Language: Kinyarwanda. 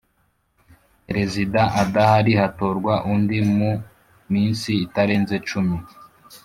Perezida adahari hatorwa undi mu minsi itarenze cumi